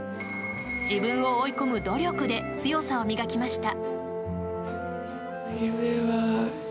自分を追い込む努力で強さを磨きました。